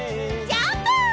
ジャンプ！